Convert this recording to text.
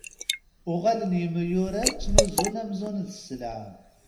Uɣalen yemyurar ttnuzun amzun d sselɛa.